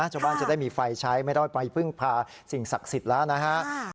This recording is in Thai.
ชาวบ้านจะได้มีไฟใช้ไม่ได้ไปพึ่งพาสิ่งศักดิ์สิทธิ์แล้วนะฮะ